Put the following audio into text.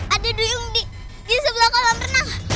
aduh duyung di sebelah kolam renang